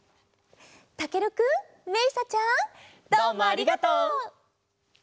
たけるくんめいさちゃん。どうもありがとう！